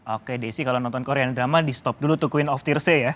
oke desi kalau nonton korean drama di stop dulu to queen of tiersnya ya